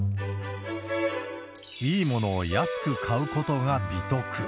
いいものを安く買うことが美徳。